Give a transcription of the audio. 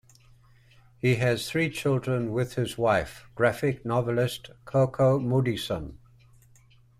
He has three children with his wife, graphic novelist Coco Moodysson.